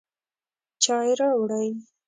چای راوړئ